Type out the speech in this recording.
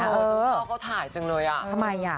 สงสัยเขาถ่ายจังเลยอะ